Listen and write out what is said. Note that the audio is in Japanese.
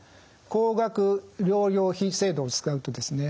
高額療養費制度を使うとですね